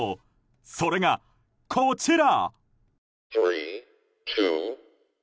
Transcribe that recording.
それが、こちら。